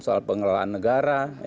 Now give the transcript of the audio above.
soal pengelolaan negara